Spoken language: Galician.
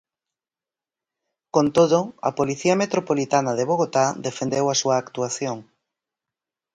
Con todo, a Policía Metropolitana de Bogotá defendeu a súa actuación.